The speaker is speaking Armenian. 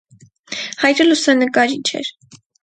Հայրը լուսանկարիչ էր։